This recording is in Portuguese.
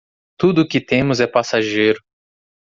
Tudo o que temos é passageiro